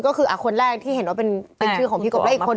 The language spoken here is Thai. ก็คือคนแรกที่เห็นว่าเป็นชื่อของพี่กบและอีกคน